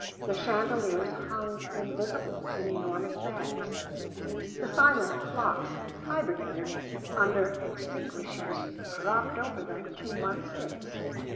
The chandeliers hung invisible in enormous bags. The silent clocks hibernated under extinguishers dropped over them two months since.